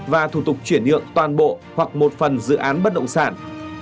và thủ tục chuyển nhượng toàn bộ hoặc một phần dự án bất động sản